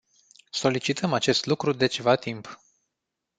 Solicităm acest lucru de ceva timp.